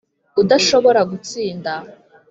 udashobora gutsinda.